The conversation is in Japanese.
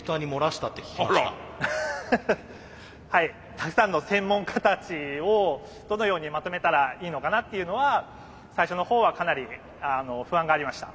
たくさんの専門家たちをどのようにまとめたらいいのかなっていうのは最初のほうはかなり不安がありました。